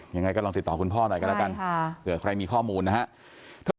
ยังไงก็ลองติดต่อคุณพ่อหน่อยกันแล้วกันเผื่อใครมีข้อมูลนะครับ